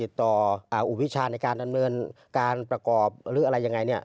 ต่ออุพิชาในการดำเนินการประกอบหรืออะไรยังไง